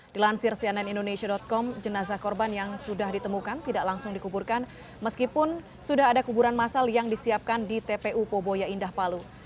dilansir cnn indonesia com jenazah korban yang sudah ditemukan tidak langsung dikuburkan meskipun sudah ada kuburan masal yang disiapkan di tpu poboya indah palu